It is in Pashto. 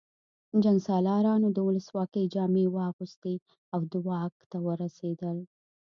جنګسالارانو د ولسواکۍ جامې واغوستې او واک ته ورسېدل